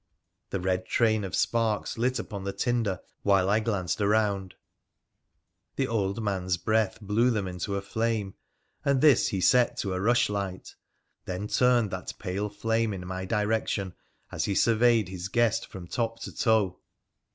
The red train of sparks lit upon the tinder while I glanced around, the old man's breath blew them into a flame, and this he set to a rushlight, then turned that pale flame in my direction as he surveyed his guest from top to toe.